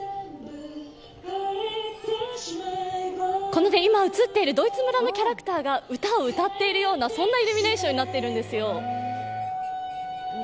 この今、映っているドイツ村のキャラクターが歌を歌っているような、そんなイルミネーションになっているんですよ。